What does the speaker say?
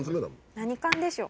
何缶でしょう？